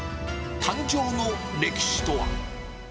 誕生の歴史とは。